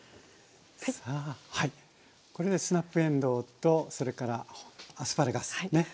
これでスナップえんどうとそれからアスパラガス。